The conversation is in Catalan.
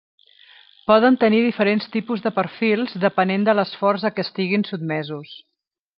Poden tenir diferents tipus de perfils depenent de l'esforç a què estiguin sotmesos.